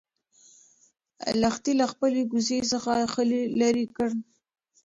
لښتې له خپلې کوڅۍ څخه خلی لرې کړ.